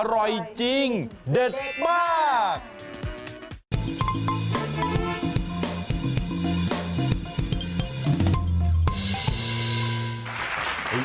อร่อยจริงเด็ดมาก